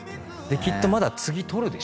きっとまだ次撮るでしょうし。